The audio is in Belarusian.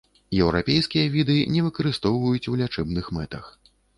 Еўрапейскія віды не выкарыстоўваюць у лячэбных мэтах.